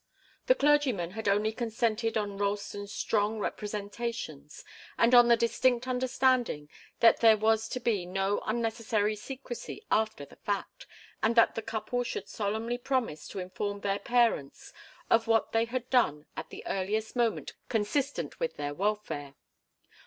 The clergyman had only consented on Ralston's strong representations, and on the distinct understanding that there was to be no unnecessary secrecy after the fact, and that the couple should solemnly promise to inform their parents of what they had done at the earliest moment consistent with their welfare.